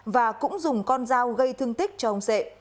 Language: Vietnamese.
và cũng dùng con dao gây thương tích cho ông sệ